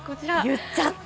言っちゃった！